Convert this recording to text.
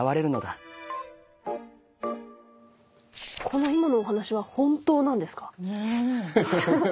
この今のお話は本当なんですか？